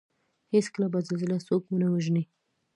هېڅکله به زلزله څوک ونه وژني